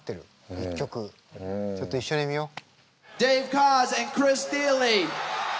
ちょっと一緒に見よう。